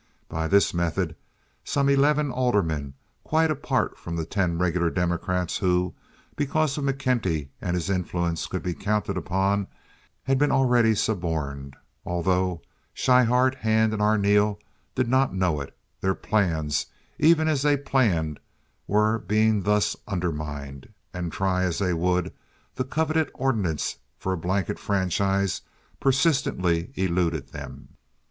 By this method some eleven aldermen—quite apart from the ten regular Democrats who, because of McKenty and his influence, could be counted upon—had been already suborned. Although Schryhart, Hand, and Arneel did not know it, their plans—even as they planned—were being thus undermined, and, try as they would, the coveted ordinance for a blanket franchise persistently eluded them.